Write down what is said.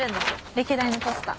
歴代のポスター。